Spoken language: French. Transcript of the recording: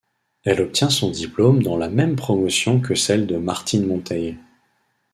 Elle obtient son diplôme dans la même promotion que celle de Martine Monteil.